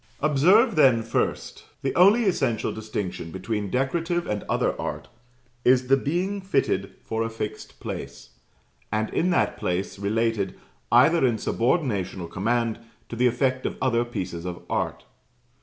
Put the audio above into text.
Observe, then, first the only essential distinction between Decorative and other art is the being fitted for a fixed place; and in that place, related, either in subordination or command, to the effect of other pieces of art.